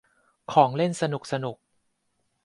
ของเล่นสนุกสนุก